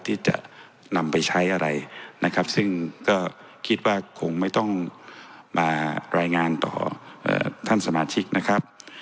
ที่จะนำไปใช้อะไรนะครับซึ่งก็คิดว่าคงไม่ต้องมารายงานต่อท่านสมาชิกนะครับ